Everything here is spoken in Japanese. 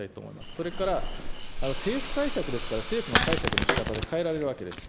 それから政府解釈ですから政府の解釈のしかたって変えられるわけです。